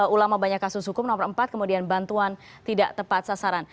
ulama banyak kasus hukum nomor empat kemudian bantuan tidak tepat sasaran